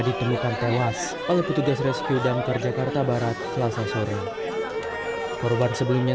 ditemukan tewas oleh petugas rescue damkar jakarta barat selasa sore korban sebelumnya